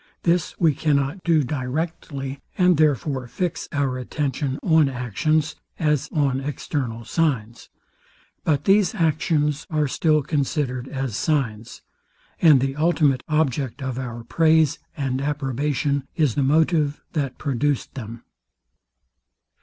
This we cannot do directly; and therefore fix our attention on actions, as on external signs. But these actions are still considered as signs; and the ultimate object of our praise and approbation is the motive, that produced them.